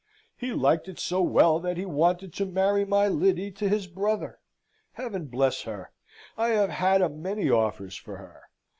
He liked it so well that he wanted to marry my Lyddy to his brother. Heaven bless her! I have had a many offers for her.